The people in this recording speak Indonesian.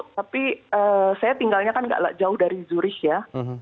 tapi saya tinggalnya kan gak jauh dari zurish ya